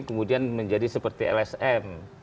kemudian menjadi seperti lsm